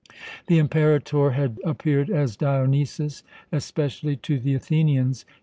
The Imperator had appeared as Dionysus, especially to the Athenians.